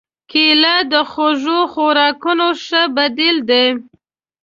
کېله د خوږو خوراکونو ښه بدیل دی.